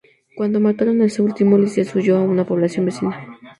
Cuando mataron a este último, Lisias huyó a una población vecina.